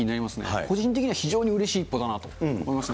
個人的には非常にうれしいことだなと思いますね。